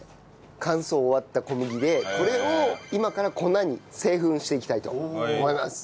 乾燥が終わった小麦でこれを今から粉に製粉していきたいと思います。